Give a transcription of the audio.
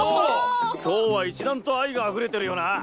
今日は一段と愛があふれてるよな。